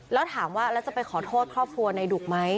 แล้วถามว่าแล้วจะไปขอโทษครอบครัวในดุกไหม